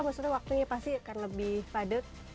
maksudnya waktunya pasti akan lebih padat